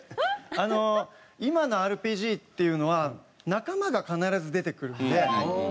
今のＲＰＧっていうのは仲間が必ず出てくるんで。